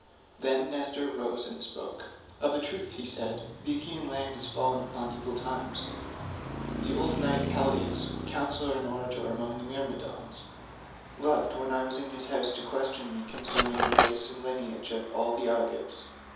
Then Nestor rose and spoke, "Of a truth," said he, "the Achaean land is fallen upon evil times. The old knight Peleus, counsellor and orator among the Myrmidons, loved when I was in his house to question me concerning the race and lineage of all the Argives.